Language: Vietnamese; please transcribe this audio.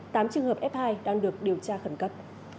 tám trường hợp f hai đang được điều tra khẩn cấp